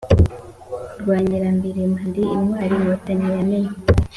rwa nyirambirima ndi intwari inkotanyi yamennye